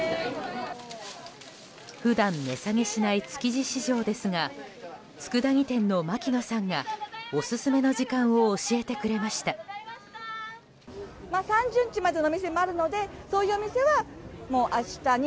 普段値下げしない築地市場ですが佃煮店の牧野さんがオススメの時間を教えてくれました。